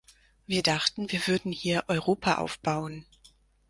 Wir dachten, wir würden hier Europa aufbauen.